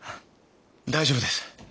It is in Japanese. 大丈夫です。